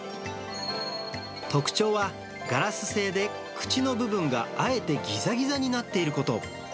特徴は、ガラス製で口の部分があえてギザギザになっていること。